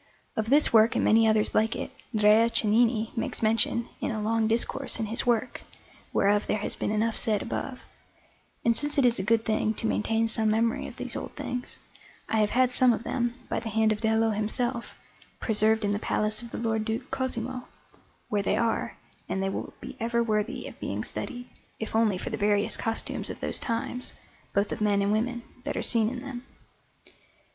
Of this work and many others like it Drea Cennini makes mention in a long discourse in his work, whereof there has been enough said above; and since it is a good thing to maintain some memory of these old things, I have had some of them, by the hand of Dello himself, preserved in the Palace of the Lord Duke Cosimo, where they are, and they will be ever worthy of being studied, if only for the various costumes of those times, both of men and women, that are seen in them.